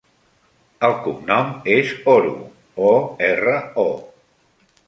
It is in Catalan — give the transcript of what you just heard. El cognom és Oro: o, erra, o.